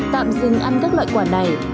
tạm dừng ăn các loại quả này